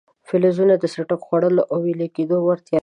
فلزونه د څټک خوړلو او ویلي کېدو وړتیا لري.